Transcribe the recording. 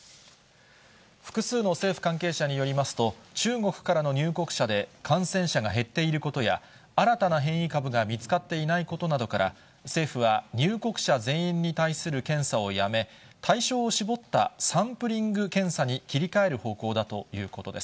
複数の政府関係者によりますと、中国からの入国者で、感染者が減っていることや、新たな変異株が見つかっていないことなどから、政府は入国者全員に対する検査をやめ、対象を絞ったサンプリング検査に切り替える方向だということです。